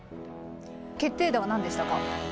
決定打は何でしたか？